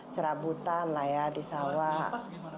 serabutan lah ya di sawah